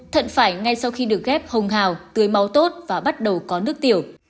thận phải ngay sau khi được ghép hồng hào tươi máu tốt và bắt đầu có nước tiểu